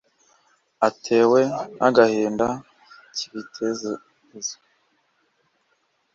atewe na gahinda kibitekerezo